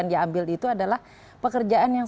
yang diambil itu adalah pekerjaan yang